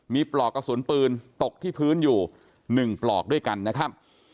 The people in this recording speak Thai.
มีปลอกกระสุนปืนตกที่พื้นอยู่๑ปลอกด้วยกันนะครับ